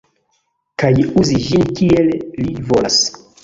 Kaj uzi ĝin kiel li volas.